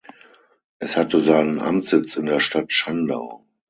Es hatte seinen Amtssitz in der Stadt Schandau.